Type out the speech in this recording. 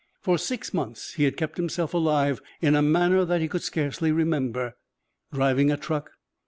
For six months he had kept himself alive in a manner that he could scarcely remember. Driving a truck.